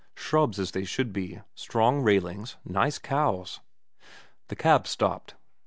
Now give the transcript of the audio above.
Shrubs as they should be. Strong railings. Nice cows. The cab stopped.